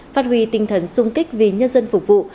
phát huy tinh thần sung kích vì nhân dân phục vụ